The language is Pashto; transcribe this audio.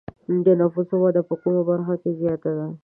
د نفوسو وده په کومه برخه کې زیاته ده؟